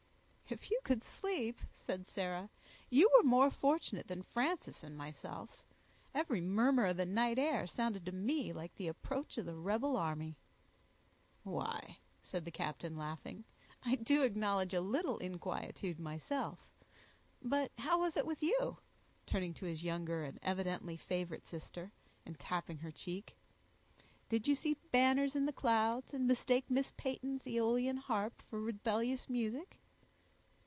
"If you could sleep," said Sarah, "you were more fortunate than Frances and myself; every murmur of the night air sounded to me like the approach of the rebel army." "Why," said the captain, laughing, "I do acknowledge a little inquietude myself—but how was it with you?" turning to his younger and evidently favorite sister, and tapping her cheek. "Did you see banners in the clouds, and mistake Miss Peyton's Aeolian harp for rebellious music?"